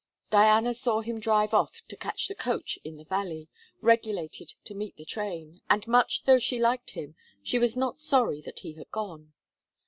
Diana saw him drive off to catch the coach in the valley, regulated to meet the train, and much though she liked him, she was not sorry that he had gone.